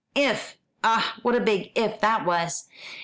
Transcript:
If! Ah, what a big "if" that was!